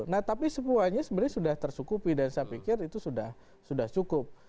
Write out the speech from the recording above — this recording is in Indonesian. nah tapi semuanya sebenarnya sudah tersukupi dan saya pikir itu sudah cukup